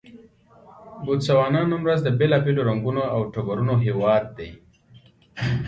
بوتسوانا نن ورځ د بېلابېلو رنګونو او ټبرونو هېواد دی.